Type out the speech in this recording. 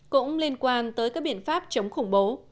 cũng liên quan tới các biện pháp chống khủng bố